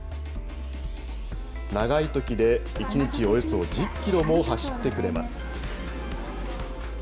長いときで１日およそ１０キロも走ってくれます。